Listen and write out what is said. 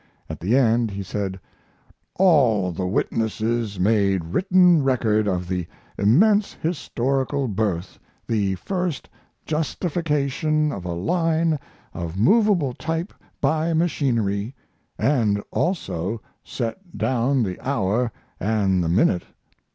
At the end he said: All the witnesses made written record of the immense historical birth the first justification of a line of movable type by machinery & also set down the hour and the minute.